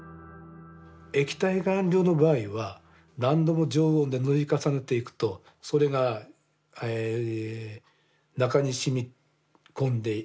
液体顔料の場合は何度も常温で塗り重ねていくとそれが中に染み込んでいく。